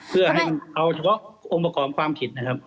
เพื่อให้เขาอมประกอบความผิดนะครับ